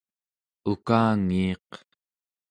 ukangiiq